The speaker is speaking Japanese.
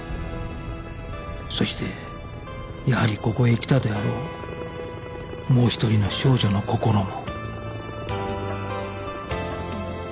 そしてやはりここへ来たであろうもう一人の少女の心も